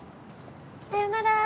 さよなら。